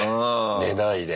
寝ないで。